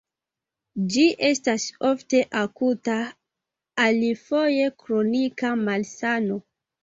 Ĝi estas ofte akuta, alifoje kronika malsano.